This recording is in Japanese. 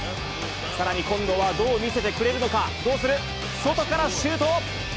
さらに今度はどう見せてくれるのか、どうする、外からシュート。